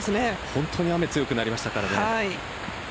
本当に雨強くなりましたからね。